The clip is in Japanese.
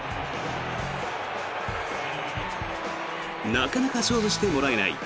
なかなか勝負してもらえない。